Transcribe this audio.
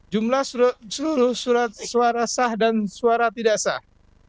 jumlah seluruh surat suara sah dan suara tidak sah